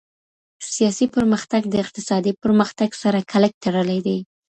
سياسي پرمختګ د اقتصادي پرمختګ سره کلک تړلی دی.